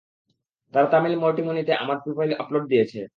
তারা তামিল মার্টিমনিতে আমার প্রোফাইল আপলোড দিয়েছে।